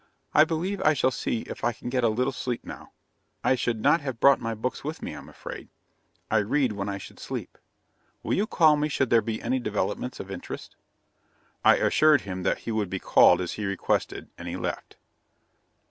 "I believe I shall see if I can get a little sleep now; I should not have brought my books with me, I'm afraid. I read when I should sleep. Will you call me should there be any developments of interest?" I assured him that he would be called as he requested, and he left.